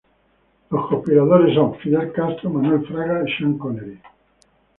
Los conspiradores son Fidel Castro, Manuel Fraga y Sean Connery.